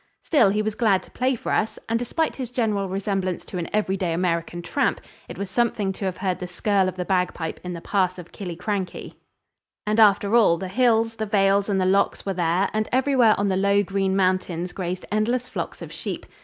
Still, he was glad to play for us, and despite his general resemblance to an every day American tramp, it was something to have heard the skirl of the bag pipe in the Pass of Killiekrankie. And after all, the hills, the vales and the lochs were there, and everywhere on the low green mountains grazed endless flocks of sheep.